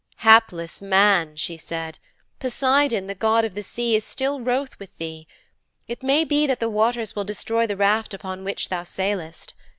'Hapless man,' she said, 'Poseidon, the god of the sea, is still wroth with thee. It may be that the waters will destroy the raft upon which thou sailest.